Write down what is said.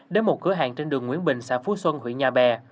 đến một cửa hàng trên đường nguyễn bình xã phú xuân huyện nhà bè